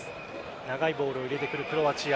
長いボールを入れてくるクロアチア。